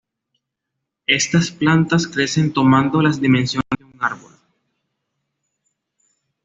Estas plantas crecen tomando las dimensiones de un árbol.